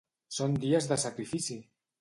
Són dies de sacrifici!